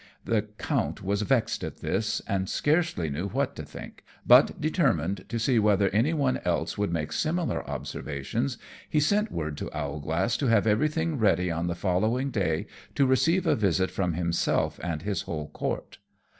The Count was vexed at this, and scarcely knew what to think; but determined to see whether any one else would make similar observations, he sent word to Owlglass to have everything ready on the following day to receive a visit from himself and his whole Court.